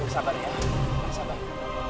sabar pacar bang